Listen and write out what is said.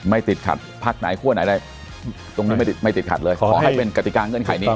ติดขัดพักไหนคั่วไหนอะไรตรงนี้ไม่ติดขัดเลยขอให้เป็นกติกาเงื่อนไขนี้